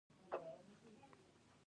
باغداري یو شریف کسب دی.